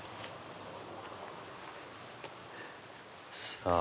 さぁ